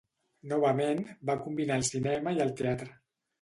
Novament, va combinar el cinema i el teatre.